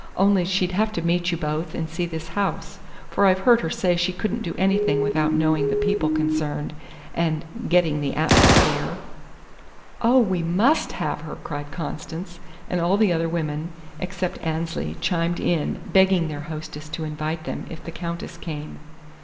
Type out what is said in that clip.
Only she'd have to meet you both and see this house, for I've heard her say she couldn't do anything without knowing the people concerned, and 'getting the atmosphere.'" "Oh, we must have her!" cried Constance, and all the other women except Annesley chimed in, begging their hostess to invite them if the Countess came.